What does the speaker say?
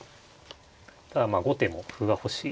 ただまあ後手も歩が欲しい。